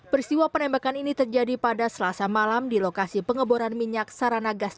peristiwa penembakan ini terjadi pada selasa malam di lokasi pengeboran minyak saranagas